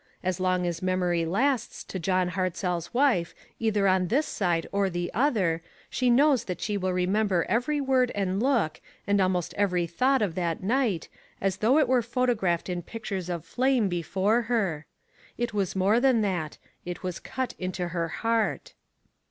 As long as memory lasts to John Hartzell's wife, either on this side or the other, she knows that she will remember every word and look, and almost every thought of that night, as though it were photographed in pictures of flame before her. It was more than that; it waa cut into her heart.